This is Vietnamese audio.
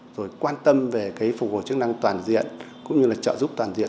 rồi quan tâm về cái phục hồi chức năng toàn diện cũng như là trợ giúp toàn diện